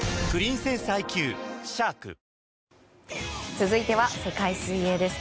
続いては世界水泳です。